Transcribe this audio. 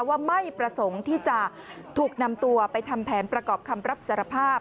ว่าไม่ประสงค์ที่จะถูกนำตัวไปทำแผนประกอบคำรับสารภาพ